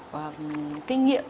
và kinh nghiệm